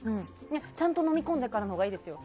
ちゃんと飲み込んでからのほうがいいですよ。